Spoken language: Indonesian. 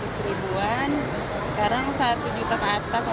dari lima ratus ribuan sekarang satu juta ke atas satu juta lima ratus